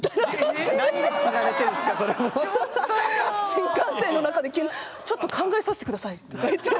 新幹線の中で急に「ちょっと考えさせてください」とか言って。